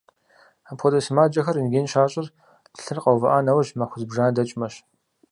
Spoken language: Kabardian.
Апхуэдэ сымаджэхэр рентген щащӏыр лъыр къэувыӏа нэужь махуэ зыбжанэ дэкӏмэщ.